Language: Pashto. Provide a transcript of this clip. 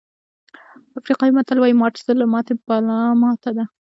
افریقایي متل وایي مات زړه له ماتې ملا بده ده.